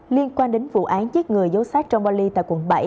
liên quan đến vụ án giết người giấu sát trong vali tại quận bảy